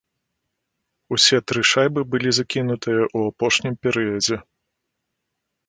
Усе тры шайбы былі закінутыя ў апошнім перыядзе.